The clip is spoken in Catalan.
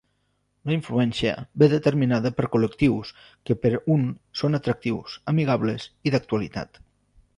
La influència ve determinada per col·lectius que per un són atractius, amigables, i d'actualitat.